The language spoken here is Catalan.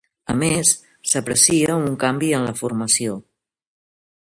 A més, s'aprecia un canvi en la formació.